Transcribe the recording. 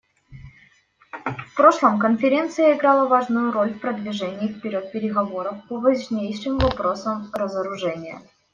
В прошлом Конференция играла важную роль в продвижении вперед переговоров по важнейшим вопросам разоружения.